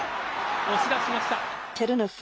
押し出しました。